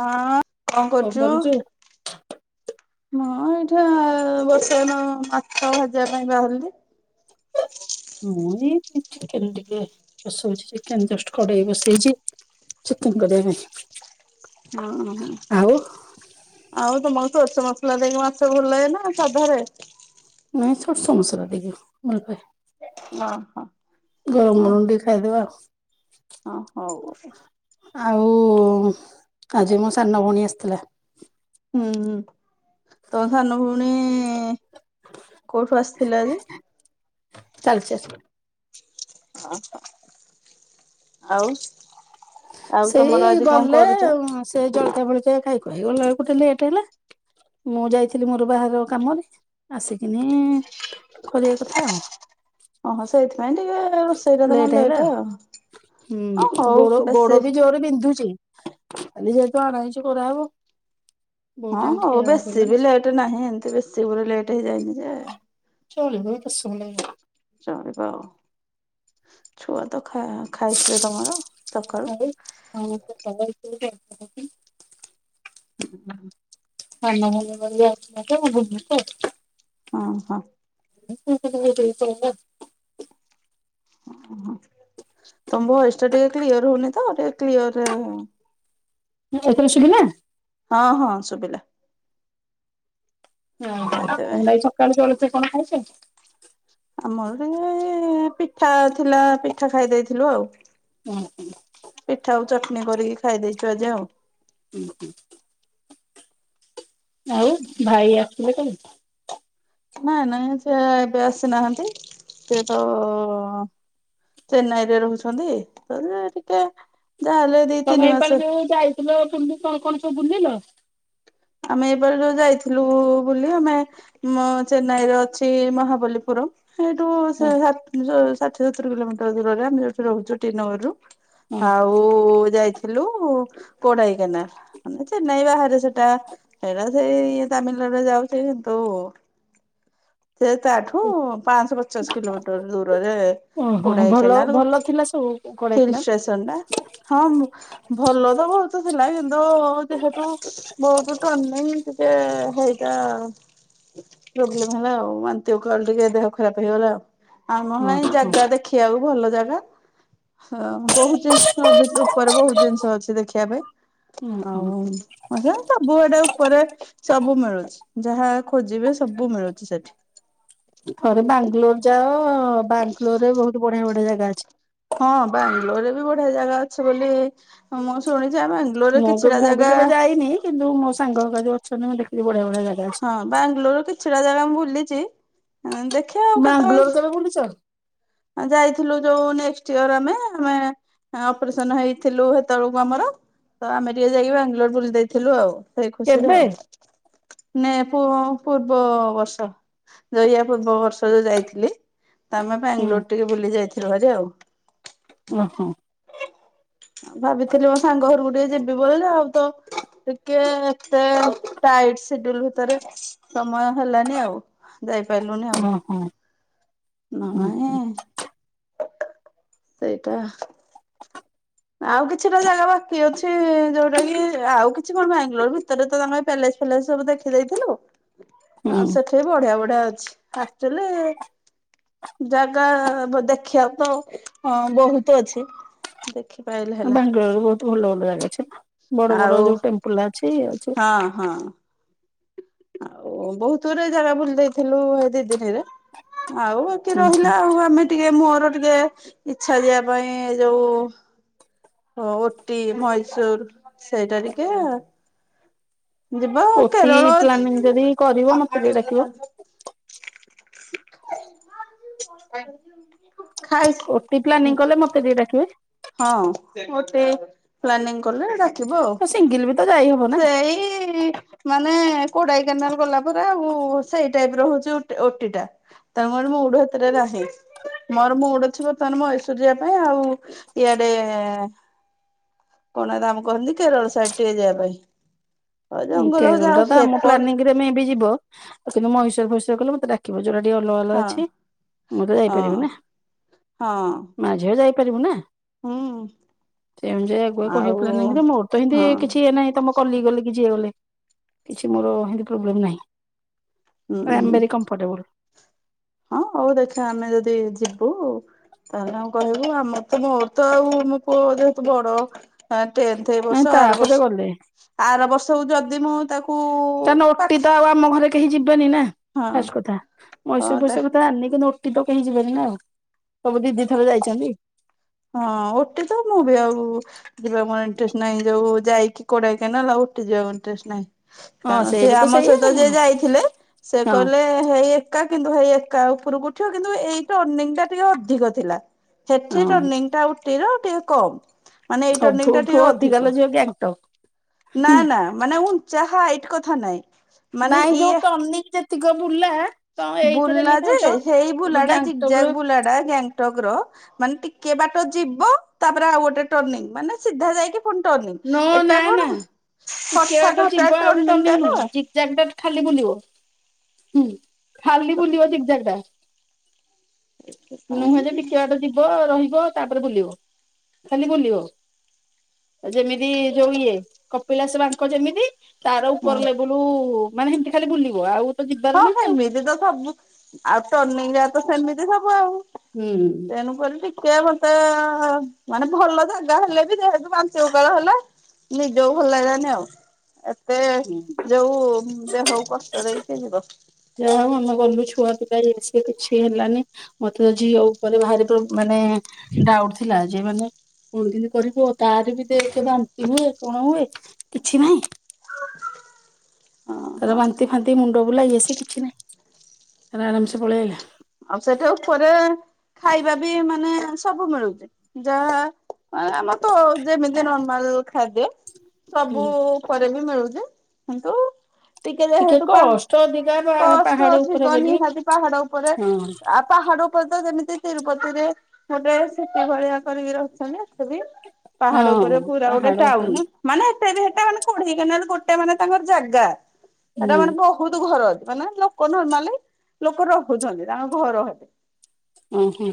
ହଁ କଣ କରୁଚୁ? ମୁଁ ଏଇଠେ [unintelligible] ମାଛ ଭାଜିବା ପାଇଁ ବାହାରିଲି। ମୁଁ ଏଇ ଚିକେନ ଟିକେ ବସଉଛି ଚିକେନ ଜଷ୍ଟ କଡେଇ ବସେଇଚି। ଚିକେନ କରିବା ପାଇଁ। ଆଉ ହଁ। ଆଉ ତମକୁ ସୋରିଷ ମସଲା ଦେଇକି ମାଛ ଭଲ ଲାଗେନା ସାଧାରେ? ନାଇଁ ସୋରିଷ ମସଲା ଦେଇ ଭଲପାଏ। ହଁ। ଗରମ ଗରମ ଖାଇ ଦେବା ଆଉ। ଆ ହଉ। ଆଉ ଆଜି ମୋ ସାନ ଭଉଣୀ ଆସିଥିଲା। ହୁଁ - ହୁଁ, ତ ସାନ ଭଉଣୀ କଉଠୁ ଆସିଥିଲା ଯେ? ତାଳଚେର୍। ଓ -ହ ଆଉ ଆଉ ସେଇ ତମର ଆଜି କଣ ଗଲେ କରୁଛ? ସେ ଜଳଖିଆ ଫଳିଖିଆ ଖାଇ ଖୁଆକି ଗଲାବଳକୁ ଟିକେ ଲେଟ୍ ହେଲା। ମୁଁ ଯାଇଥିଲି ମୋର ବାହାଘର କାମରେ ଆସିକିନି କରିବା କଥା ଆଉ। ଓହୋ ସେଇଥିପାଇଁ ଟିକେ ଲେଟ୍ ହେଲା ଆଉ। ହଁ ହୁଁ ହଉ ଗୋଡ- ବେଶୀ ଗୋଡ ବି ଜୋର୍ ରେ ବିନ୍ଧୁଚି। ଖାଲି ଯେହେତୁ ଆଣାହେଇଚି କରାହବ। ବହୁତ ହଁ ଟାଇମ ହଉ ଠିଆ ହବାକୁ ବେଶୀ ପଇଲା ବି ନା ଲେଟ୍ ନାହିଁ ଏମତି ବେଶୀ ଗୋଟେ ଲେଟ୍ ହେଇଯାଇନି ଯେ ଚଳିବ [unintelligible] ଚଳିବ ଆଉ। ଛୁଆ ତ ଖା- ଖାଇଥିବେ ତମର? ସକାଳୁ [inaudible] ହୁଁ ହୁଁ [inaudible] [unintelligible] ହଁ- ହଁ। [unintelligible] ଓ ତମ ଭଏସ୍ ଟା ଟିକେ କ୍ଲିୟର୍ ହଉନି ତ ଟିକେ କ୍ଲିୟର୍ ରେ ଏଇଥର ଶୁବିଲା? ହଁ - ହଁ ଶୁବିଲା। ସେଥିପାଇଁ କହିଲି ଆଜି ସକାଳୁ ଜଳଖିଆ କଣ ଖାଇଚ? ଆମର ବି ହେଇ ପିଠା ଥିଲା ପିଠା ଖାଇ ଦେଇଥିଲୁ ଆଉ। ପିଠାକୁ ଚଟଣୀ କରିକି ଖାଇ ଦେଇଚୁ ଆଜି ଆଉ। ହୁଁ - ହୁଁ। ଆଉ ଭାଇ ଆସିବେ କାଲି? ନାଇଁ -ନାଇଁ ସେ ଏବେ ଆସିନାହାନ୍ତି। ସିଏ ତ ଚେନ୍ନାଇ ରେ ରହୁଚନ୍ତି [unintelligible] ଟିକେ ଯାହାହେଲେ ଦି ତମେ ତିନି ଏଇ ପାଳି ମାସ ଯଉ ଯାଇଥିଲ ବୁଲି କଣ - କଣ ସବୁ ବୁଲିଲ? ଆମେ ଏଇପାଳି ଯଉ ଯାଇଥିଲୁ ବୁଲି ଆମେ ମ ଚେନ୍ନାଇରେ ଅଛି ମହାବଲୀପୁରମ୍। ସେଇଠୁ ହଁ ଷାଠ୍- ଷାଠିଏ ସତୁରୀ କିଲୋମିଟର ଦୂରରେ ଆମେ ଯଉଠୁ ରହୁଚୁ ଟି ନଗରୀରୁୁ। ହଁ ଆଉ ବୁ ଯାଇଥିଲୁ କୋଡାଇ କେନା ମାନେ ଚେନ୍ନାଇ ବାହାରେ ସେଟା। ସେରା ସେଇ ତାମିଲନାଡୁରେ ଯାଉଚି କିନ୍ତୁ ସେ ତାଠୁ ପାଁଅଶ ପଚାଶ୍ କିଲୋମିଟର ଦୂରରେ ଓହୋ କୋଡାଇ ଭଲ କେନା ରୁ ଭଲ ଥିଲା ସବୁ [unintelligible] କୋଡାଇକନାଲ? ଷ୍ଟେସନ୍ ରେ ହଁ-ଭଲ ତ ବହୁତୁ ଥିଲା କିନ୍ତୁ ଯେହେତୁ ବହୁତୁ [unintelligible] ଟିକେ ହେଇଟା। ପ୍ରୋବ୍ଲେମ ହେଲା ଆଉ ବାନ୍ତି ଓକାଳ ଟିକେ ଦେହ ଖରାପ ହେଇଗଲା। ଆଉ [unintelligible] ହଁ ଏ ହଁ। ଜାଗା ଦେଖି ବାକୁ ଭଲ ଜାଗା। ହଁ, ବହୁତ୍ ଜିନିଷ ଉପରେ ବହୁତ୍ ଜିନିଷ ଅଛି ଦେଖିବା ପାଇଁ। [unintelligible] ବୁହା ଟା ଉପରେ ସବୁ ମିଳୁଚି ଯାହା ଖୋଜିବେ ସବୁ ମିଳୁଚି ସେଠି। ଥରେ ବାଙ୍ଗାଲୋର ଯାଅ ବାଙ୍ଗାଲୋର୍ ରେ ବହୁତ ବଢିଆ ବଢିଆ ଜାଗା ଅଛି। ହଁ, ବାଙ୍ଗାଲୋରରେ ବି ବଢିଆ ଜାଗା ଅଛି ବୋଲି ମୁ ସୁ ଶୁଣିଛି ଆ ବ୍ୟାଙ୍ଗଲୋରରେ ମୁଁ କେ କିଛିଟା ମୁଁ ବି ଜାଗା କେବେ ଯାଇନି କିନ୍ତୁ ମୋ ସାଙ୍ଗ ହେକା ଯଉ ଅଛନ୍ତି। ମୁଁ ଦେଖିଚି ବଢିଆ ବଢିଆ ଜାଗା ଅଛି। ହଁ ବାଙ୍ଗାଲୋର ର କିଛିଟା ଜାଗା ମୁଁ ବୁଲିଚି। ଦେଖିବା ଆଉ ବାଙ୍ଗାଲୋର କେତେବେଳେ କେବେ ବୁଲିଛ ଯାଇଥିଲୁ ଯୋଉ ନେକ୍ସଟ୍ ଇୟର ଆମେ, ଆମେ ହଁ, ଅପରେସନ ହେଇଥିଲୁ ହେତେବେଳକୁ ଆମର। ତ ଆମେ ଟିକେ ଯାଇକି ବାଙ୍ଗାଲୋର ବୁଲି ଦେଇଥିଲୁ ଆଉ। ସେଇ ଖୁସିରେ କେବେ ଆଉ। ନେ ପୁ ଅ ପୂର୍ବ ବର୍ଷ ଯଉ ଇଆ ପୂର୍ବ ବର୍ଷ ଯୋଉ ଯାଇଥିଲି ତ ଆମେ ହୁଁ ବାଙ୍ଗାଲୋର ଟିକେ ବୁଲି ଯାଇଥିଲୁ ହାରି ଆଉ। [unintelligible] ଓହୋ। ଆଉ ଭାବିଥିଲି ମୋ ସାଙ୍ଗ ଘରକୁ ଟିକେ ଯିବି ବୋଲି। ଆଉ ତ ଟିକେ ଏତେ ଟାଇଟ ସେଡୁଲ ଭିତରେ ସମୟ ହେଲାନି ଆଉ। ଯାଇପାରିଲୁନି ଆଉ। ଓହୋ ହୁଁ ନହେଲେ ନାଇଁ ସେଇଟା ଆଉ କିଛିଟା ଜାଗା ବାକି ଅଛି। ଯୋଉଟା କି ଆଉ କିଛି କଣ ବାଙ୍ଗାଲୋର ଭିତରେ ତମେ ପ୍ୟାଲେସ ଥିଲା ଯେ ସବୁ ଦେଖିଦେଇଥିଲୁ। ହୁଁ ଆଉ ସେଠି ବି ବଢିଆ ବଢିଆ ଅଛି। ଆକ୍ଚୁଆଲି ଜାଗା ଦେଖିବାକୁ ତ ଅ ବହୁତ ଅଛି। ଦେଖିପାଇଲି ବାଙ୍ଗାଲୋରରେ ବହୁତ ଭଲ ଭଲ ଜାଗା ଅଛି। ବଡ ବଡ ଆଉ ଯୋଉ ଟେମ୍ପଲ ଅଛି ଇଏ ଅଛି। ହଁ, ହଁ। ଆଉ ବହୁତ ଗୁରେ ଜାଗା ବୁଲି ଦେଇଥିଲୁ ଏ ଦି ଦିନିରେ ଆଉ। ଟିକେ ହୁଁ ହୁଁ। ରହିଲା ଆଉ। ଆମେ ଟିକେ ମୋର ଟିକେ ଇଚ୍ଛା ଯିବା ପାଇଁ ଏ ଯୋଉ ହଁ, ଓଟି, ମଇଶୂର ସେଇଟା ଟିକେ ଯିବା, ଓଟି କେରଳ ପ୍ଲାନିଂ ଯଦି କରିବ ମତେ ଟିକେ ଡାକିବ। ଅଛି। ଖାଇ ଓଟି ପ୍ଲାନିଂ କଲେ ମତେ ଟିକିଏ ଡାକିବେ। ହଁ, ଓଟି ପ୍ଲାନିଂ କଲେ ଡାକ୍ କିବୁ ଆଉ। ତ ସିଙ୍ଗିଲ ବି ତ ଯାଇ ହବ ନା ସେଇ ମାନେ କୋଡାଇ କେନାଲ ଗଲା ପରେ, ଆଉ ସେଇ ଟାଇପ ର ହଉଚି ଓଟି ଟା। ତମର ମୁଡ଼ ହେଥେରେ ନାହିଁ। ମୋର ମୁଡ଼ ଅଛି ବର୍ତ୍ତମାନ ମହୀଶୂର ଯିବା ପାଇଁ ଆଉ ଇଆଡେ କଣ ତାକୁ କହନ୍ତି? କେରଳ ସାଇଡ ଟିକେ ଯିବା ପାଇଁ। ମୁଁ କହିଲି, ତମେ ଦି ଜଣ ଯାଅ। ହେପ ଯଦି ତମେ ମେ ବି ଯିବ? ତ ମହିଶୁର ଫହିଶୁର ଗଲେ ମତେ ଡାକି ମୋର ଯଉଟା ଟିକେ ଅଲଗା ଅଲଗା ହଁ ଅଛି ମୁଁତ ଯାଇପାରିବି ହଁ ନା। [unintelligible] ହଁ ମା, ଝିଅ ଯାଇପାରିବୁନୁ ନା? ହୁଁ। ସେମତି ଆଗୁଆ କହିବ ଆଉ ପ୍ଲାନିଂ ରେ, ମୋର ତ ଏମତି ହଁ ଏ କିଛି ଇଏ ନାହିଁ ତମ କଲିକ୍ ଗଲେ, କି ଯିଏ ଗଲେ। କିଛି ମୋର ହେନ୍ତି ପ୍ରୋବଲେମ୍ ନାହିଁ। ହୁଁ ଆଇ ହୁଁ। ଆମ ଭେରୀ କମ କମ୍ଫଟେବଲ। ହଁ, ହଉ ଦେଖିବା ଆମେ ଯଦି ଯିବୁ କଣ ଆଉ କହିବି। ଆମର ତ ମୋର ତ ଆଉ ମୋ ପୁଅ ଯେହେତୁ ବଡ ହଁ, ଟେନ୍ଥ ଏଇ ବର୍ଷ। ନାଇଁ ଆର ତାପରେ ବର୍ଷ। ଗଲେ ଆର ବର୍ଷକୁ ଯଦି ମୁଁ ତାକୁ କାରଣ, ଓଟି ପାଖ ତ ଆଉ ଆମ ଘରେ କେହି ଯିବେନି ନା? ହଁ ଫାଷ୍ଟ କଥା, ହଁ ମଇଶୁର, ତା ଫଇସୁର କଥା ଜାଣିନି ସେଠିକି ତ କେହି ଯିବେନି ନା ଆଉ ସବୁ ଦିଦି ଥରେ ଯାଇଛନ୍ତି। ହଁ ଓଟି ତ ମୁଁ ବି ଆଉ ଯିବାକୁ ମୋର ଇଣ୍ଟରେଷ୍ଟ ନହିଁ ଯଉ ଯାଇକି କୋଡାଇ କେନାଲ ଓଟି ଯିବାକୁ ଇଣ୍ଟରେଷ୍ଟ ନାହିଁ। ହଁ କାରଣ ସେ ବି ତ ଆମ ସେଇଆ ସହିତ ଆଉ ଯିଏ କଣ ଯାଇଥିଲେ ସେ କହିଲେ ହେଇ ଏକା କିନ୍ତୁ ହେଇ ଏକା ଉପରୁକୁ ଉଠିବ କିନ୍ତୁ ଏଇଟା ଅର୍ଣ୍ଣିଙ୍ଗଟା ଟିକେ ଅଧିକ ଥିଲା ସେଠି। ହଁ ଟାଉଟିର ଟିକେ କମ୍ ମାନେ ଏଇ ହଁ ଟର୍ଣ୍ଣିଙ୍ଗଙ୍ଗଟା ସବୁଠୁ ଅଧିକା ଟିକେ ଲୋ ଅଧିକ। ଝିଅ ଗ୍ୟାଙ୍ଗଟକ୍ ନା ହୁଁ ନା ମାନେ ଉଞ୍ଚା ହାଇଟ୍ କଥା ନାଇଁ। ମାନେ ନାଇଁ ଯୋଉ ଇଏ ଟନିକି ଯେତିକ ବୁଲା ତମେ ଏଇଥିରେ ବୁଲା ଏମିତି ଯେ ହଉଛ। ସେଇ ଏବେ ବୁଲାଡାଛି ଯି ଗ୍ୟାଙ୍ଗଟକର ଜାଗବୁଲା ଟା ଗ୍ୟାଙ୍ଗ୍ ଟକ୍ ର ମାନେ ଟିକେ ବାଟ ଯିବ ତାପରେ ଆଉ ଗୋଟେ ଟର୍ଣ୍ଣିଙ୍ଗ ମାନେ ସିଧା ଯାଇକି ଫୁଣି ନୋ ଟର୍ଣ୍ଣିଙ୍ଗ ଏଟା ନା କଣ ନା ହଠାତ ହଠା ଟର୍ଣ୍ଣିଙ୍ଗ ଟା ତ। ଜାଗ୍ ଟା ଖାଲି ବୁଲିବ ହୁଁ ଖାଲି ବୁଲିବ ଜିଗଜାଗ୍ ଟା। ନୁହେଁ ଯେ ସେଥିପାଇଁ ଟିକେ ବାଟ ଯିବ ରହିବ ତାପରେ ବୁଲିବ ଖାଲି ବୁଲିବ। ଯେମିତି ଯୋଉ ଇଏ କପିଳାସ ବାଙ୍କ ଯେମିତି ତାର ହଁ। ଉପର ଲେବୁଲ୍ ଟୁ ମାନେ ଏମତି ଖାଲି ବୁଲିବ ଆଉ। ତ ଯିବାର ହଁ ନାହିଁ ଆଉ ଏମିତି ତ ସବୁ ଆଉ ଟର୍ଣ୍ଣିଙ୍ଗ୍ ଯାକ ତ ସେମିତି ସବୁ ଆଉ। ହୁଁ। ତେଣୁକରି ଟିକେ ମତେ ମାନେ ଭଲ ଯାଗା ହେଲେ ବି ଯେହେତୁ ବାନ୍ତି ଉକାଳ ହେଲେ। ନିଜକୁ ଭଲ ଲାଗିଲାନି ଆଉ ଏତେ ହୁଁ ଯୋଉ ଦେହକୁ କଷ୍ଟ ଦେଇ ହେଇଯିବ। ଯାହା ହଉ ଆମେ ଗଲୁ ଛୁଆ ପିଲା ଇଏ ସିଏ କିଛି ହେଲାନି। ମତେ ତ ଝିଅ ଉପରେ ଭାରି ପ୍ରୋ ମାନେ ଡାଉଟ୍ ଥିଲା ଯେ ମାନେ। କଣ କିନ୍ତୀ କରିବ ତାର ବି ଦେଖେ ବାନ୍ତି ହୁଏ କଣ ହୁଏ କିଛି ନାହିଁ। ହଁ ତାର ହଁ ବାନ୍ତି ଫାନ୍ତି ମୁଣ୍ଡ ବୁଲା ଇଏ ସିଏ କିଛ ଛି ନାହିଁ ତାର ଆରାମ ସେ ପଳେଇଆଇଲା। ଆଉ ସେଠେ ଉପରେ ଖାଇବା ବି ମାନେ ସବୁ ମିଳୁଛି ଯାହା ମାନେ ଆମର ତ ଯେମିତି ନର୍ମାଲ୍ ଖାଦ୍ୟ ହୁଁ ସବୁ ପରେ ବି ମିଳୁଛି କିନ୍ତୁ। ଟିକେ ଯେହେତୁ ପାହା କଷ୍ଟ ଅଧିକା ପା କଷ୍ଟ ପାହାଡ ଉପରେ ଅଧିକ ବୋଲି ନିହାତି ପାହାଡ଼ ଉପରେ। ହଁ ଆ ପାହାଡ଼ ଉପରେ ତ ଯେମିତି ତିରୁପତି ରେ ଗୋଟେ ସେଟ ଭଳିଆ କରିକି ରହୁଛନ୍ତି। ସେଠି ପାହାଡ ଉପରେ ହଁ ପୁରା ଗୋଟେ ପାହାଡ ଉପରେ ଟାଉନୁ। ନା ମାନେ ଏତେ ବି ହେଟା ମାନେ କୋଢି କେନାଲ୍ ଗୋଟେ ମାନେ ତାଙ୍କର ଜାଗା ହୁଁ ସେଟା ମାନେ ବହୁ ହୁତୁ ଘର ଅଛି ମାନେ ଲୋକ ନର୍ମାଲି ଲୋକ ରହୁଛନ୍ତି ତାଙ୍କ ଘର ହେ ଓ ହଁ।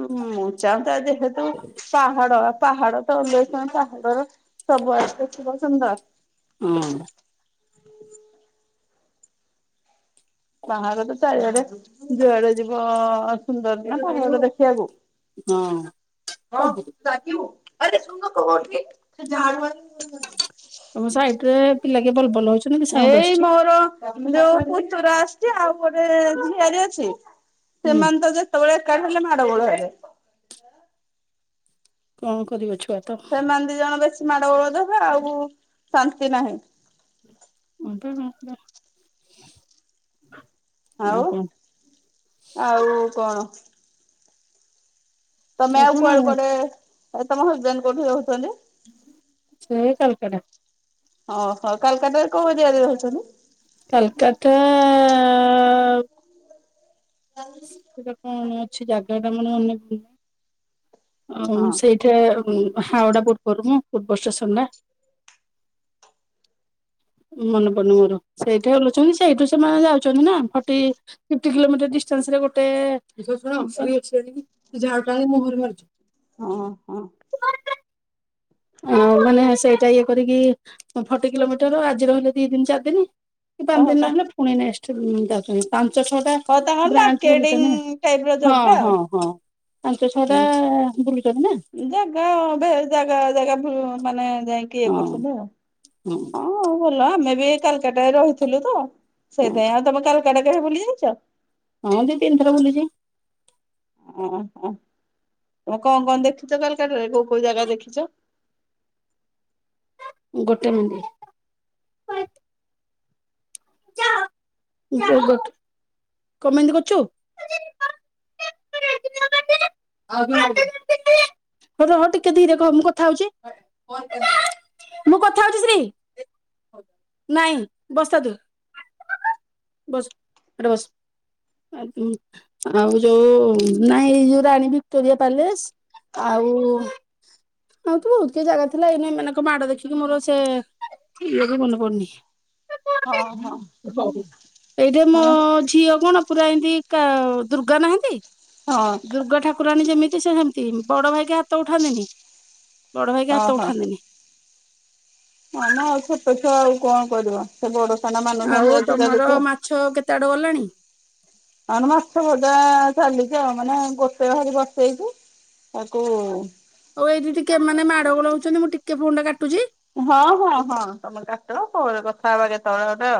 ମୁଁ ଚାହାନ୍ତା ଯେହେତୁ ପାହାଡ଼ ପାହାଡ଼ ତ ଆଉ ଏଇ ପାହାଡର ସବୁ ଆସେ ଶିବ ସୁନ୍ଦର। ହଁ। ପାହାଡ ତ ଚାରିଆଡେ ଯୁଆଡେ ଯିବ ସୁନ୍ଦର ଦେଖିବାକୁ। ହଁ ହଁ ହଁ ସବୁ ଚାଖିବୁ। ଆରେ ଶୁଣୁନ କହୁଛି ସେ ଝାଡୁ ତମ ସାଇଟ୍ ରେ ପିଲା କିଏ ବଲ୍ ବଲ୍ ହଉଛି। ଏଇ ମୋର ଯୋଉ ପୁତୁରା ଆସଛି ଆଉ ଗୋଟେ ଝିଆରି ଅଛି। ହୁଁ ସେମାନ ତ ଯେତେବେଳେ ଏକାଠି ହେଲେ ମାଡ଼ଗୋଳ ହେବେ। କଣ କରିବ ଛ ସେମାନ ଦି ଜଣ ବେଶୀ ମାଡ଼ ଗୋଳ ଦେବେ ଆଉ ଶାନ୍ତି ନାହିଁ। [inaudible] ଆଉ ଆଉ କଣ ତମେ ଆଉ କୁଆଡୁ କୁଆଡେ ତମ ହଜବେନ୍ କୋଉଠି ରହୁଛନ୍ତି? ସେ ଏ କାଲକଟା। ଓହୋ କାଲକାଟାରେ କୋଉ ଏରିଆରେ ରହୁଛନ୍ତି? କାଲକାଟାଆ ସେଟା କଣ ଅଛି ଜାଗାଟା ମୋର ମନେପଡୁନି। ମୁଁ ହଁ ସେଇଠେ ଉଁ ହାଓଡା ପୂର୍ବରୁ ମୁଁ ପୂର୍ବ ଷ୍ଟେସନଟା ମନେ ପଡ଼ନୁ ମୋର ସେଇଠେ ଲୁଚନ୍ତି ସେଇଠୁ ସେମାନେ ଯାଉଚନ୍ତି ନା ଫଟି ପିପ୍ଟି କିଲୋମିଟର ଡିଷ୍ଟାନ୍ସରେ ଗୋଟେ [unintelligible] ଜାଡୁଟା ଆଣି ମୋ ମୁହଁରେ ମାରୁଚି। ହୁଁ ହୁଁ। ଆଉ ମାନେ ସେଇଟା ଇଏ କରିକି ଫଟି କିଲୋମିଟର ଆଜି ରହିଲେ ଦି ଦିନି ଚାର୍ ଦିନି। ପାଞ୍ଚ ଓହୋ ତା ଦିନନ ହେଲେ ପୁଣି ନେକ୍ସଟ୍ [unintelligible] ପାଞ୍ଚ ଛଅଟା ହଉ ତାଙ୍କର ବ୍ରାଞ୍ଚ ବୁଲୁଚନ୍ତି ମାର୍କେଟିଂ ନାଁ ଟାଇପ୍ ର ଜବ୍ ଟା ହଁ ହଁ ହଁ। ପାଞ୍ଚ ଛଅଟା ଆଉ। ବୁଲିଚନ୍ତି ନାଁ। ଜାଗା ଅବେ ଜାଗା ଜାଗା [unintelligible] ମାନେ ଯାଇ କିଏ ହଁ କରୁସନ୍ତି ଆଉ ହଁ ଆଉ ଭଲ ଆମେ ବି କାଲ୍କାଟା ରହୁଥିଲୁ ତ ହଁ ସେଇଥାଇଁ ଆଉ ତମେ କାଲ୍କାଟା କେବେ ବୁଲି ଯାଇଚ? ହଁ ଦି ତିନ୍ ଥର ବୁଲିଚି। ଓହୋ ତମେ କଣ କଣ ଦେଖିଚ କାଲ୍କାଟାରେ କୋଉ କୋଉ ଜାଗା ଦେଖିଚ? ଗୋଟେ ମିଣ୍ଟି। [unintelligible] କଣ ମେହେନ୍ଦି କରୁଚୁ। [unintelligible] ହଉ ରହ ଟିକେ ଧୀରେ କହ ମୁଁ କଥା ହଉଚି। ମୁଁ କଥା ହଉଚି ଶ୍ରୀ ନାଇଁ ବସ୍ ଥା ତୁ ବସ୍ ଏଠି ବସ୍। ଆ ଉଁ ଆଉ ଯୋଉ ନାଇଁ ଏଇ ଯୋଉ ରାଣୀ ଭିକ୍ଟୋରିଆ ପ୍ୟାଲେସ। ଆଉ ଆଉ ତ ବହୁତ କି ଜାଗା ଥିଲା ଏଇନୁ ଏ ମାନଙ୍କ ମାଡ ଦେଖିକି ମୋର ସେ ଇଏ ବି ମନେ ପଡୁନି। ହଁ ହଁ। ଏଇଟା ମୋ ହଁ ଝିଅ କଣ ପୁରା ଏନ୍ତି କା ଦୁର୍ଗା ନାହାନ୍ତି ହଁ ଦୁର୍ଗା ଠାକୁରାଣୀ ଯେମିତି ସେ ସେମିତି ବଡ ଭାଇକି ହାତ ଉଠାନ୍ତିନି। ବଡ ଭାଇକି ହାତ ଓହୋ। ଉଠାନ୍ତିନି। ହଁ ମଁ ଆଉ ଛୋଟ ଛୁଆ ଆଉ କଣ କରିବ ସେ ବଡ ସାନ ମାନୁଛନ୍ତି ଆଜିକାଲି ତମର ଛୁଆ। ମାଛ ଛଅ ଆଉ କେତେ ବାଟ ଗଲେଣି? ଆନୁ ମାଛ ଭଜା ଚାଲିଛି ଆଉ ମାନେ ଗୋଟେ ଭାରି ବସେଇଚି। ତାକୁ ଆଉ ଏଇଠିି ଟିକେ ଏମାନେ ମାଡ ଗୋଳ ହଉଚନ୍ତି ମୁଁ ଟିକେ ଫୋନ୍ ଟା କାଟୁଚି। ହଁ ହଁ ହଁ ତମେ କାଟ ପରେ କଥା ହବା କେତବଳେ ଗୋଟେ ଆଉ।